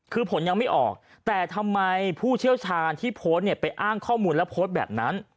คือผลยังไม่ออกแต่ทำไมผู้เชี่ยวชาญที่โพสต์เนี่ยไปอ้างข้อมูลและโพสต์แบบนั้น